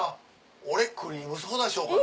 俺クリームソーダにしようかな。